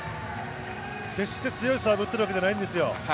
決して強いサーブを打っているわけではないんですよ。